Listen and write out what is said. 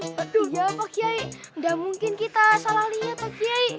iya pak kiai gak mungkin kita salah liat pak kiai